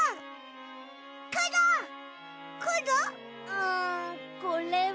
うんこれは。